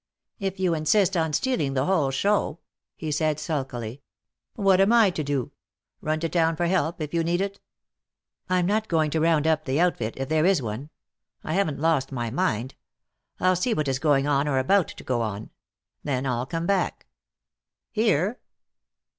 "If you insist on stealing the whole show," he said, sulkily, "what am I to do? Run to town for help, if you need it?" "I'm not going to round up the outfit, if there is one. I haven't lost my mind. I'll see what is going on, or about to go on. Then I'll come back." "Here?"